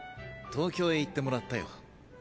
東京へ行ってもらったよ。